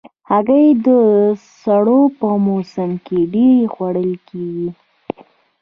هګۍ د سړو په موسم کې ډېر خوړل کېږي.